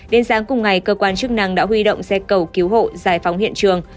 đến sáng cùng ngày cơ quan chức năng đã huy động xe cầu cứu hộ giải phóng hiện trường